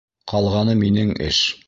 Ҡалғаны минең эш.